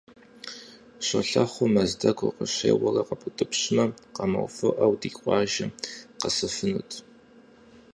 Щолэхъур Мэздэгу укъыщеуэрэ къэбутӀыпщмэ, къэмыувыӀэу, ди къуажэ къэсыфынут.